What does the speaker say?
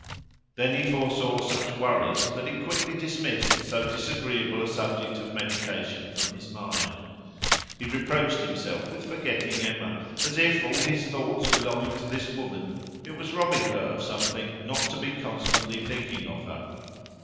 Then he foresaw such worries that he quickly dismissed so disagreeable a subject of meditation from his mind. He reproached himself with forgetting Emma, as if, all his thoughts belonging to this woman, it was robbing her of something not to be constantly thinking of her.